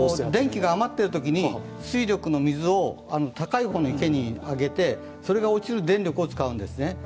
電気が余っているときに水力の水を高い方の池に上げてそれが落ちる電力を使うんですね。